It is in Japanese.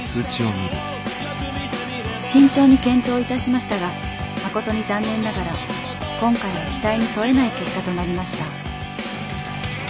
「慎重に検討いたしましたがまことに残念ながら今回は期待に添えない結果となりました」。